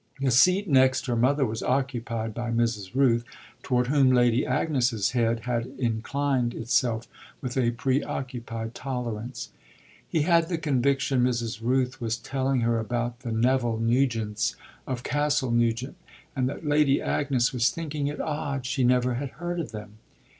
The seat next her mother was occupied by Mrs. Rooth, toward whom Lady Agnes's head had inclined itself with a preoccupied tolerance. He had the conviction Mrs. Rooth was telling her about the Neville Nugents of Castle Nugent and that Lady Agnes was thinking it odd she never had heard of them.